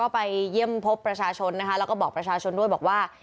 ไปเยี่ยมพบประชาชนนะคะแล้วก็บอกประชาชนด้วยบอกว่า